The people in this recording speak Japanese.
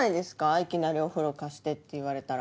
いきなり「お風呂貸して」って言われたら。